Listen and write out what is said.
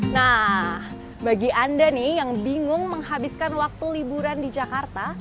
nah bagi anda nih yang bingung menghabiskan waktu liburan di jakarta